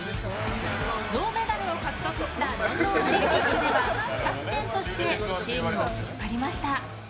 銅メダルを獲得したロンドンオリンピックではキャプテンとしてチームを引っ張りました。